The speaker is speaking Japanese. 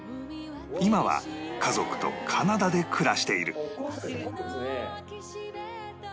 今は家族とカナダで暮らしている